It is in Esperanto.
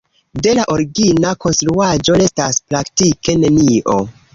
De la origina konstruaĵo restas praktike nenio.